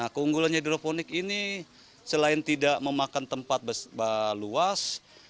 keunggulan hidroponik ini selain tidak memakan tempat luas